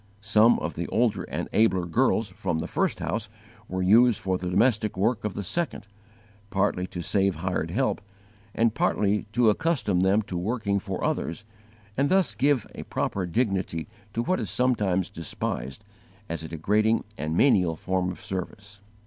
Some of the older and abler girls from the first house were used for the domestic work of the second, partly to save hired help, and partly to accustom them to working for others and thus give a proper dignity to what is sometimes despised as a degrading and menial form of service.